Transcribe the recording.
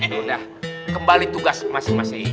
sudah kembali tugas masing masing